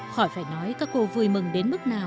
khỏi phải nói các cô vui mừng đến mức nào